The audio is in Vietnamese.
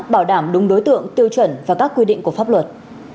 bảo đảm đúng đối tượng tiêu chuẩn và các quy định của pháp luật